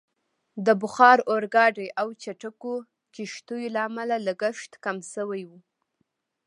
د بخار اورګاډي او چټکو کښتیو له امله لګښت کم شوی وو.